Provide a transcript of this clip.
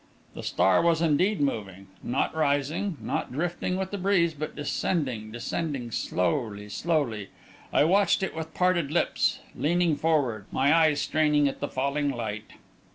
The star was indeed moving; not rising, not drifting with the breeze, but descending, descending slowly, slowly.... I watched it with parted lips, leaning forward, my eyes straining at that falling light.